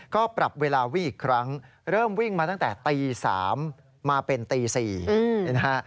ก็ปรับเวลาวิ่งอีกครั้งเริ่มวิ่งมาตั้งแต่ตี๓มาเป็นตี๔นี่นะฮะ